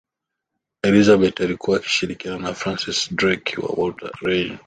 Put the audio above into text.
elizabeth alikuwa akishirikiana na francis drake na walter raleigh